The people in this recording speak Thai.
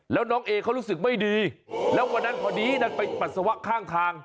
แล้วน้องเอเขารู้สึกไม่ดีแล้ววันนั้นพอดีดันไปปัสสาวะข้างทาง